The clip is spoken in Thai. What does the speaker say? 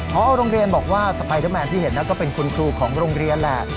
พอโรงเรียนบอกว่าสไปเดอร์แมนที่เห็นก็เป็นคุณครูของโรงเรียนแหละ